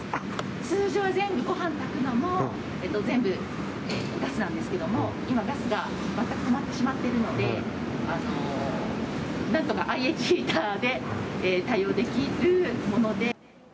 通常は全部ごはん炊くのも全部ガスなんですけども、今ガスが全く止まってしまっているので、なんとかＩＨヒーターで対応できるもので。